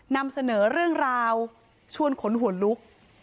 นำเสนอเรื่องราวชวนขนหัวลุก